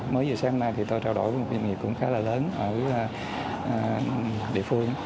mới giờ sáng nay thì tôi trao đổi với một doanh nghiệp cũng khá là lớn ở địa phương